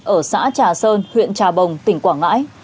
ở xã trà sơn huyện trà bồng tỉnh quảng ngãi